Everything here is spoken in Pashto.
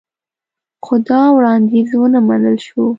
خو دا وړاندیز ونه منل شو